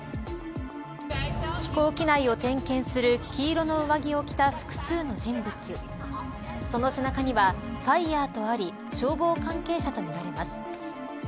飛行機内を点検する黄色の上着を着た複数の人物その背中にはＦＩＲＥとあり消防関係者とみられます。